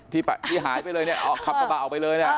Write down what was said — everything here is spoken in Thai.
ที่หายไปเลยเนี่ยออกขับกระบะออกไปเลยเนี่ย